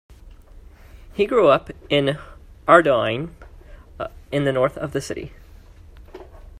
He grew up in Ardoyne in the north of the city.